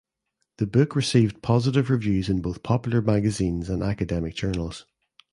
The book received positive reviews in both popular magazines and academic journals.